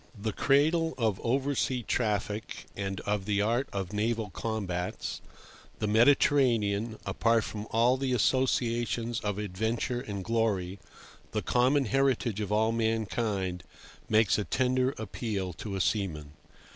THE cradle of oversea traffic and of the art of naval combats, the Mediterranean, apart from all the associations of adventure and glory, the common heritage of all mankind, makes a tender appeal to a seaman.